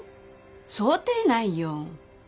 想定内よ。